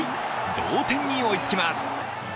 同点に追いつきます。